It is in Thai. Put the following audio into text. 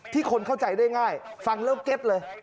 คนเข้าใจได้ง่ายฟังแล้วเก็ตเลย